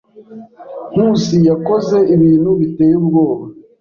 Nkusi yakoze ibintu biteye ubwoba.